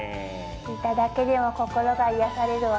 見ただけでも心が癒やされるわ。